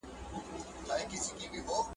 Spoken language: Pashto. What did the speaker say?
ټول توليدي سکتورونه به په عصري ټکنالوژي سمبال سي.